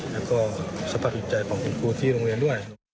แล้วก็สภาพจิตใจของคุณครูที่โรงเรียนด้วย